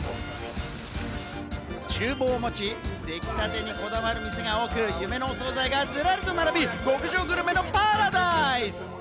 厨房を持ち、できたてにこだわる店が多く、夢のお総菜がズラリと並び、極上グルメのパラダイス。